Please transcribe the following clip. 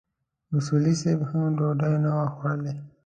اصولي صیب هم ډوډۍ نه وه خوړلې.